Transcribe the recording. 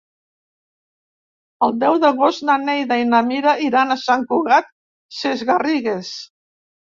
El deu d'agost na Neida i na Mira iran a Sant Cugat Sesgarrigues.